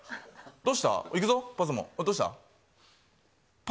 どうした？